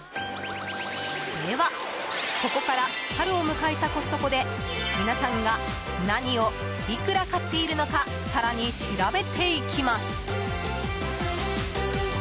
では、ここから春を迎えたコストコで皆さんが何をいくら買っているのか更に調べていきます。